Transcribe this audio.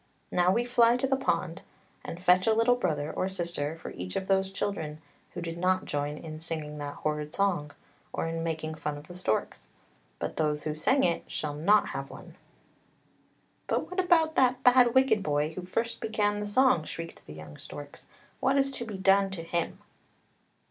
Now we fly to the pond and fetch a little brother or sister for each of those children who did not join in singing that horrid song, or in making fun of the storks. But those who sang it shall not have one." " But what about that bad wicked boy who first began the song!" shrieked the young storks; "what is to be done to him?